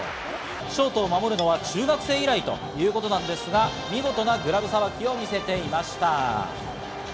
ショートを守るのは中学生以来ということなんですが、見事なグラブさばきを見せていました。